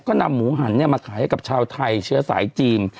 ก็นำหมูหันมาขายให้กับชาวไทยเชื้อสายจีน